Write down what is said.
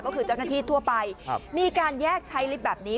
ก็คือเจ้าหน้าที่ทั่วไปมีการแยกใช้ลิฟต์แบบนี้